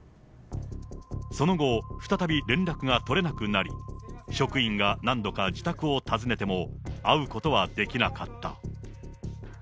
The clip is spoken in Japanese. その後、再び連絡が取れなくなり、職員が何度か自宅を訪ねても、会うことはできなかった。